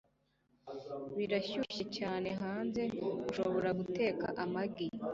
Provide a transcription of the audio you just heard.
Birashyushye cyane hanze, ushobora guteka amagi.